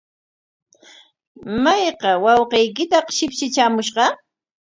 ¿Mayqa wawqiykitaq shipshi traamushqa?